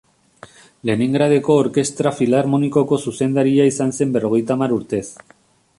Leningradeko Orkestra Filarmonikoko zuzendaria izan zen berrogeita hamar urtez.